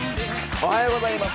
おはようございます。